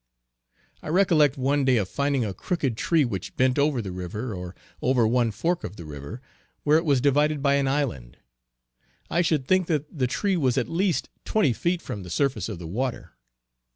I recollect one day of finding a crooked tree which bent over the river or over one fork of the river, where it was divided by an island. I should think that the tree was at least twenty feet from the surface of the water.